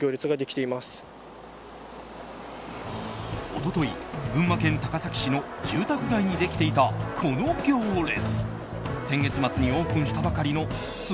一昨日、群馬県高崎市の住宅街にできていたこの行列！